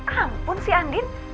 ampun si andien